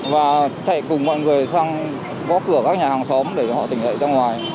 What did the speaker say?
và chạy cùng mọi người sang góp cửa các nhà hàng xóm để họ tỉnh dậy ra ngoài